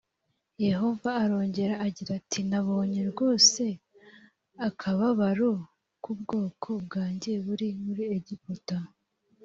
yehova arongera ati nabonye rwose akababaro k ubwoko bwanjye buri muri egiputa